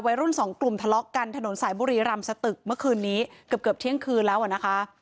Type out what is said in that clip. วัยรุ่นสองกลุ่มทะเลาะกันถนนสายบุรีรำสตึกเมื่อคืนนี้เกือบเกือบเที่ยงคืนแล้วอ่ะนะคะ